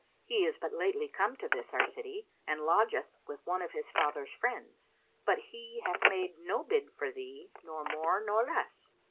He is but lately come to this our city and lodgeth with one of his father's friends; but he hath made no bid for thee nor more nor less."